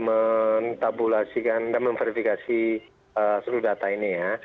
kita akan men tabulasikan dan memverifikasi seluruh data ini ya